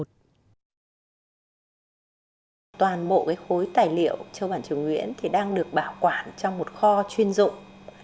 toàn bộ khối tài liệu châu bản trường nguyễn đang được bảo quản trong một kho chuyên dụng